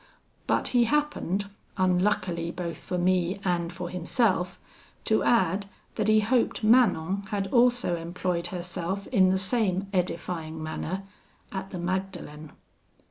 But he happened, unluckily both for me and for himself, to add, that he hoped Manon had also employed herself in the same edifying manner at the Magdalen.